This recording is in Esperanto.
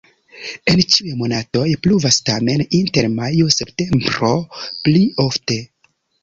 En ĉiuj monatoj pluvas, tamen inter majo-septembro pli ofte.